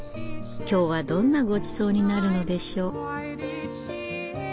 今日はどんなごちそうになるのでしょう。